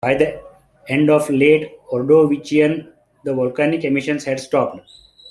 By the end of the Late Ordovician the volcanic emissions had stopped.